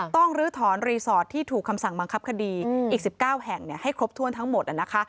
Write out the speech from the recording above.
ลื้อถอนรีสอร์ทที่ถูกคำสั่งบังคับคดีอีก๑๙แห่งให้ครบถ้วนทั้งหมดนะคะ